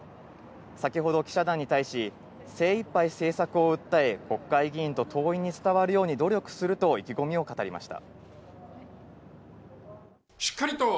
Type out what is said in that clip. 先ほど記者団に対し、精いっぱい政策を訴え、国会議員と党員に伝わるように努力すると意気込みを語りました。